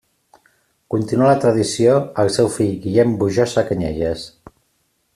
Continua la tradició el seu fill Guillem Bujosa Canyelles.